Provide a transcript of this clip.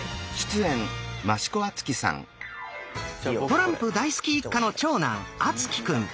トランプ大好き一家の長男敦貴くん。